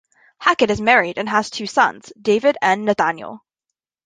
Hackett is married and has two sons, David and Nathaniel.